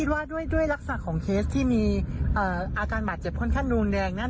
คิดว่าด้วยรักษาของเคสที่มีอาการบาดเจ็บข้นขนูนแดงนั่น